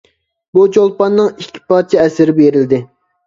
بۇ چولپاننىڭ ئىككى پارچە ئەسىرى بېرىلدى.